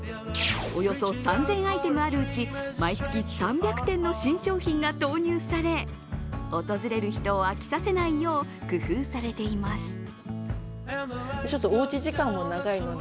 およそ３０００アイテムあるうち毎月３００点の新商品が投入され、訪れる人を飽きさせないよう工夫されています。